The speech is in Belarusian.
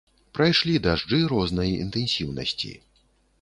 Прайшлі дажджы рознай інтэнсіўнасці.